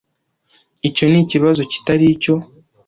icyo nikibazo kitari cyo